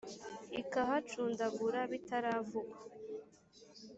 Ikahacundagura bitaravugwa,